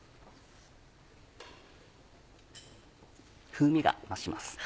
風味が増します。